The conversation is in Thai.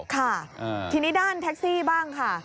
ค่ะทีนี้ด้านแท็กซี่บ้างค่ะ